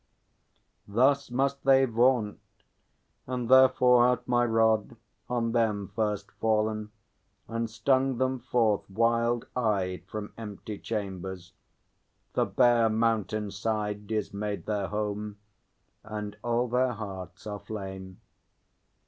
Thus must they vaunt; and therefore hath my rod On them first fallen, and stung them forth wild eyed From empty chambers; the bare mountain side Is made their home, and all their hearts are flame.